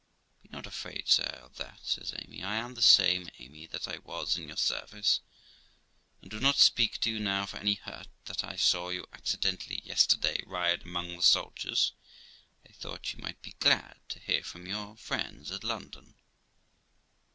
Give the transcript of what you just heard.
'Be not afraid, sir, of that', says Amy; 'I am the same Amy that I was in your service, and do not speak to you now for any hurt, but that I saw you accidentally yesterday ride among the soldiers ; I thought you might be glad to hear from your friends at London.'